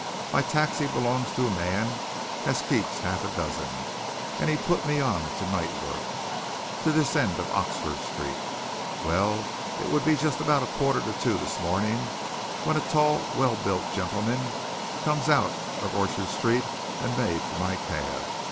My taxi belongs to a man as keeps half a dozen, and he put me on to night work, this end of Oxford Street. Well, it 'ud be just about a quarter to two this morning when a tall, well built gentleman comes out of Orchard Street and made for my cab.